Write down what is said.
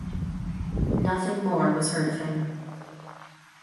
Nothing more was heard of him.